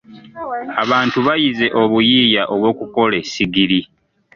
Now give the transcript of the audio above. Abantu bayize obuyiiya obw'okukola essigiri.